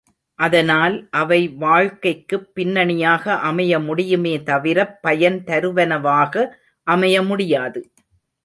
அதனால் அவை வாழ்க்கைக்குப் பின்னணியாக அமைய முடியுமே தவிரப் பயன் தருவனவாக அமையமுடியாது.